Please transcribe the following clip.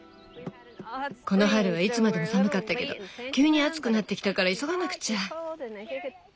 この春はいつまでも寒かったけど急に暑くなってきたから急がなくちゃ。